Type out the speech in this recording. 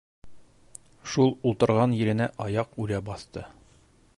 Шул ултырған еренә аяҡ үрә баҫты.